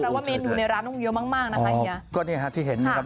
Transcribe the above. เพราะว่าเมนูในร้านต้องเยอะมากมากนะคะเฮียก็เนี่ยฮะที่เห็นนะครับ